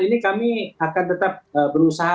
ini kami akan tetap berusaha